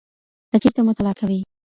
ته چېرته مطالعه کوې؟